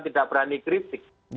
tidak berani kritik